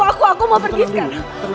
aku mau pergi sekarang